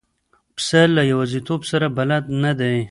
پسه له یوازیتوب سره بلد نه دی.